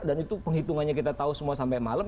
dan itu penghitungannya kita tahu semua sampai malam